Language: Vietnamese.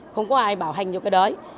không có ai bảo hành cho cái đấy